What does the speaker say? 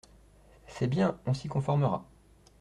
C’est bien… on s’y conformera…